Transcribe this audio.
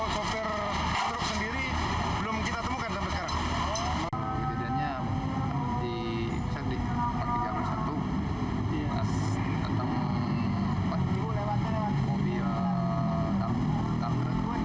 sehingga terjadilah kecelakaan seperti ini